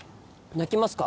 鳴きますか？